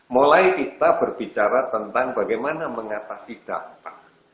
mulai kita berbicara tentang bagaimana mengatasi dampak